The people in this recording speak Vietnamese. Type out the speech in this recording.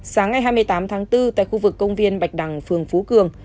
sáng ngày hai mươi tám tháng bốn tại khu vực công viên bạch đằng phường phú cường